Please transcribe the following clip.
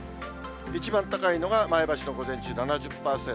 一番高いのが、前橋の午前中７０％。